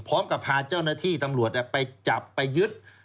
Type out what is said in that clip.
พร้อมกับพาเจ้าหน้าที่ตำรวจไปจับไปยึด